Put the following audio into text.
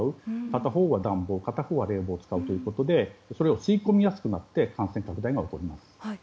片方は暖房片方は冷房を使うということでそれを吸い込みやすくなって感染拡大が起こります。